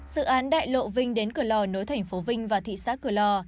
dự án đại lộ vinh đến cửa lò nối thành phố vinh và thị xã cửa lò